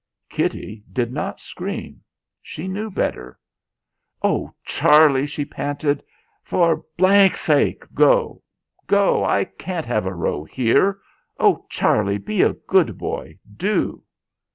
Kitty did not scream. She knew better. "Oh Charlie!" she panted. "For sake go! Go! I can't have a row here. Oh, Charlie, be a good boy, do."